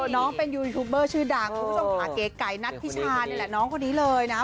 น้องเป็นยูทูปเบอร์ชื่อดังคุณผู้ชมขาเก๋ไก่นัทธิชานี่แหละน้องคนนี้เลยนะ